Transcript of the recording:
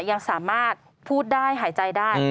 ยังสามารถพูดได้หายใจได้